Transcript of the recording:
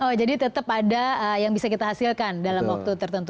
oh jadi tetap ada yang bisa kita hasilkan dalam waktu tertentu